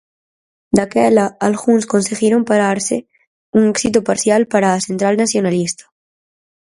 Daquela algúns conseguiron pararse, un éxito parcial para a central nacionalista.